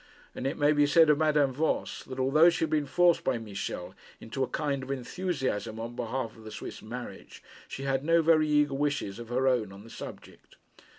And it may be said of Madame Voss, that although she had been forced by Michel into a kind of enthusiasm on behalf of the Swiss marriage, she had no very eager wishes of her own on the subject.